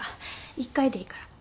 １回でいいから。